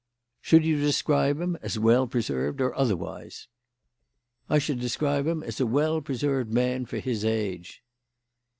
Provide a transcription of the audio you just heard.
"Should you describe him as well preserved or otherwise?" "I should describe him as a well preserved man for his age."